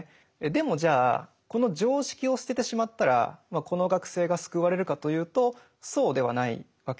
でもじゃあこの常識を捨ててしまったらこの学生が救われるかというとそうではないわけです。